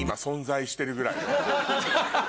ハハハハ！